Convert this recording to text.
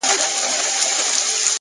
وخت د هر څه ارزښت ښيي.!